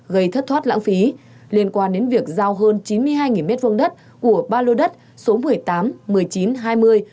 gây thất thoát lãng phí liên quan đến việc giao hơn chín mươi hai m hai đất của ba lô đất số một mươi tám một mươi chín hai mươi